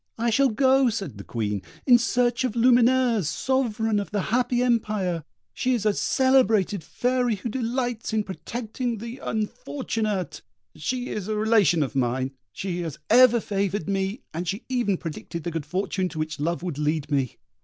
"I shall go," said the Queen, "in search of Lumineuse, Sovereign of the Happy Empire; she is a celebrated fairy who delights in protecting the unfortunate. She is a relation of mine; she has ever favoured me, and she even predicted the good fortune to which love would lead me."